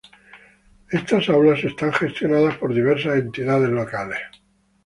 Estas aulas son gestionadas por diversas entidades locales.